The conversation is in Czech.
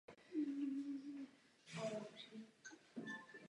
Později se rozšířil do Anglie.